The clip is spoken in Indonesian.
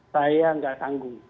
saya tidak tanggung